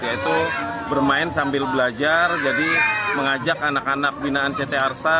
yaitu bermain sambil belajar jadi mengajak anak anak binaan ct arsa